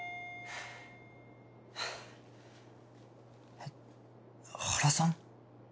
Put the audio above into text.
えっ原さん？